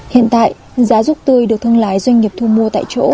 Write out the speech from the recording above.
hiện tại giá ruốc tươi được thương lái doanh nghiệp thu mua tại chỗ